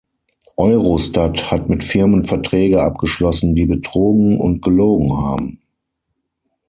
Eurostat hat mit Firmen Verträge abgeschlossen, die betrogen und gelogen haben.